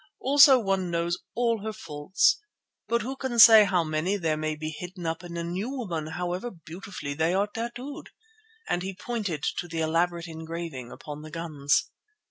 Also one knows all her faults, but who can say how many there may be hidden up in new women however beautifully they are tattooed?" and he pointed to the elaborate engraving upon the guns.